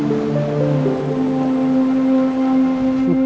terima kasih bang